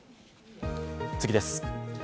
次です。